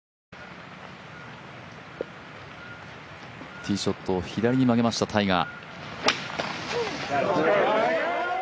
ティーショットを左に曲げましたタイガー。